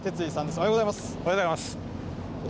おはようございます。